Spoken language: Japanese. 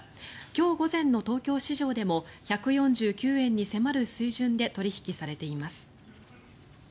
今日午前の東京市場でも１４９円に迫る水準で取引されています。